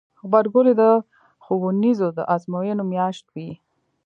غبرګولی د ښوونځیو د ازموینو میاشت وي.